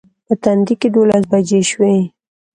په تندي کې دولس بجې شوې.